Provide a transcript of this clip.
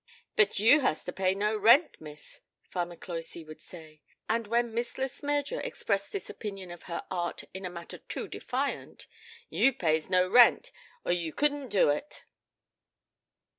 'But yeu has to pay no rent, Miss,' Farmer Cloysey would say, when Miss Le Smyrger expressed this opinion of her art in a manner too defiant. 'Yeu pays no rent, or yeu couldn't do it.'